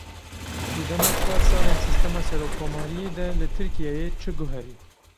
Di dema çar salên Sîstema Serokkomariyê de li Tirkiyeyê çi guherî?